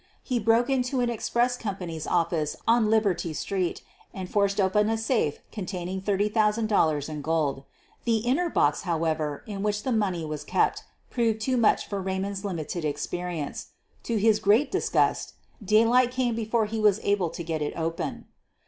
He broke into an express company's office on Liberty Street and forced open a safe con taining $30,000 in gold. The inner box, however, in which the money was kept, proved too much for Raymond's limited experience. To his great dis J gust, daylight came before he was able to get it open.